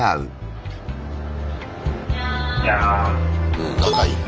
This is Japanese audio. うん仲いいな。